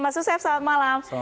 mas usef selamat malam